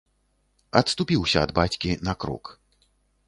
Адступіўся ад бацькі на крок.